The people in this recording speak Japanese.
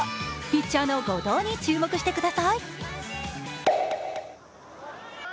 ピッチャーの後藤に注目してください。